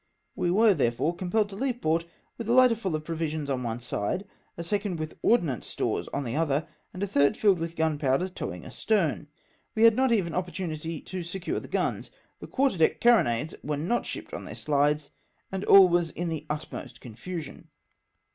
We were therefore compelled to leave port with a hghter full of provisions on one side, a second with ordnance stores on the other, and a third filled with gunpowder towing astern. We had not even opportunity to secure the guns ; the quarter deck can nonades were not shipped on their shdes ; and all was in the utmost confusion.